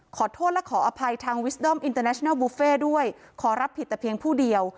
ขอโทษและขออภัยทางวิสดอมอินเตอร์แนชน่าบุฟเฟ่ด้วยขอรับผิดแต่เพียงผู้เดียว